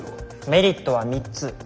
メリットは３つ。